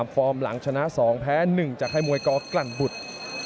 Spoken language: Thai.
ฟอร์มหลังชนะ๒แพ้๑จากค่ายมวยกกลั่นบุตร